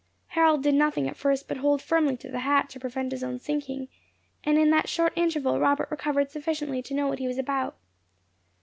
Harold did nothing at first but hold firmly to the hat to prevent his own sinking, and in that short interval Robert recovered sufficiently to know what he was about.